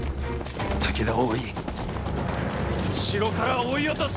武田を追い後ろから追い落とす！